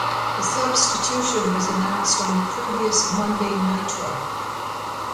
The substitution was announced on the previous "Monday Nitro".